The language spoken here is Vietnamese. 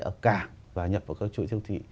ở cảng và nhập vào các chuỗi thiêu thị